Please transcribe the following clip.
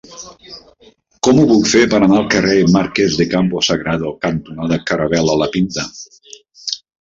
Com ho puc fer per anar al carrer Marquès de Campo Sagrado cantonada Caravel·la La Pinta?